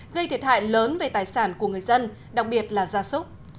gây thiệt hại lớn về tài sản của người dân đặc biệt là gia súc